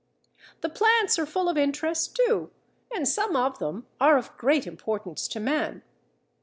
The plants are full of interest too, and some of them are of great importance to man.